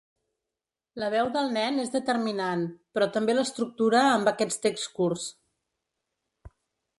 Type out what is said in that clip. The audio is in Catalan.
La veu del nen és determinant, però també l’estructura amb aquests texts curts.